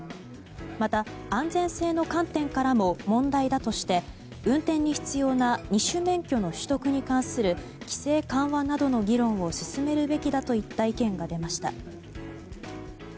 また、安全性の観点からも問題だとして運転に必要な二種免許の取得に関する規制緩和などの議論を進めるべきだといった意見が出ました。